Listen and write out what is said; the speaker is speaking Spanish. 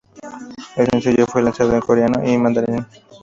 El sencillo fue lanzado en Coreano y Mandarín.